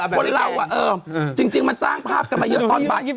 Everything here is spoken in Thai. คนเราจริงมันสร้างภาพกลับมาอย่าสอนไป